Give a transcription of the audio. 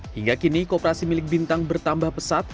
hingga kini kooperasi milik bintang bertambah pesat